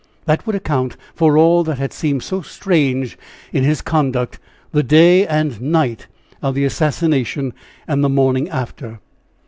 That would account for all that had seemed so strange in his conduct the day and night of the assassination and the morning after."